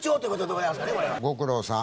ご苦労さん。